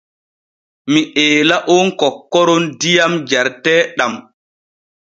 Mi eela on kokkoron diyam jareteeɗam.